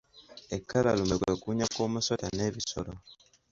Ekkalalume kwe kuwunya kw'omusota n'ebisolo.